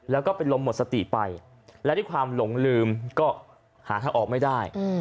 แล้วก็เป็นลมหมดสติไปและด้วยความหลงลืมก็หาทางออกไม่ได้